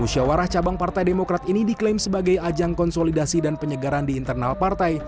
musyawarah cabang partai demokrat ini diklaim sebagai ajang konsolidasi dan penyegaran di internal partai